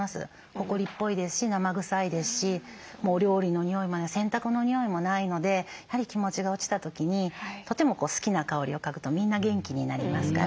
ほこりっぽいですし生臭いですしお料理の匂いもない洗濯の匂いもないのでやはり気持ちが落ちた時にとても好きな香りを嗅ぐとみんな元気になりますから。